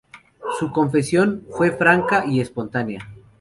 Su confesión fue franca y espontánea.